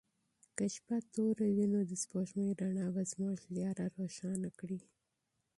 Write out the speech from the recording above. که شپه توره وي نو د سپوږمۍ رڼا به زموږ لاره روښانه کړي.